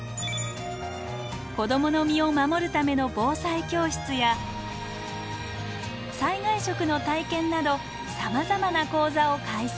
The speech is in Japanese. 子どもの身を守るための防災教室や災害食の体験などさまざまな講座を開催。